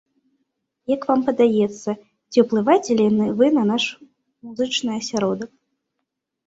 Як вам падаецца, ці ўплываеце вы на наш музычны асяродак?